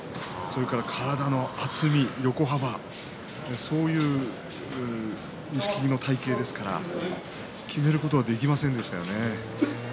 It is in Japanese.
体の厚み、横幅そういう錦木の体形ですからきめることができませんでしたね。